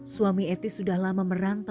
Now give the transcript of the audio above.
suami eti sudah lama merangkulnya